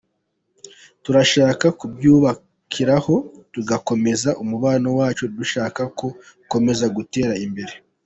Turashaka kubyubakiraho tugakomeza umubano wacu dushaka ko ukomeza gutera imbere.”